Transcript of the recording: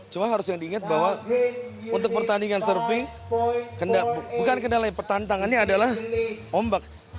cuma harus yang diingat bahwa untuk pertandingan surfing bukan kedelai pertantangannya adalah ombak